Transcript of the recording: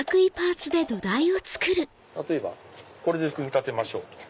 例えばこれで組み立てましょう。